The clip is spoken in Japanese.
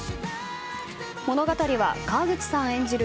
物語は川口さん演じる